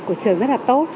của trường rất là tốt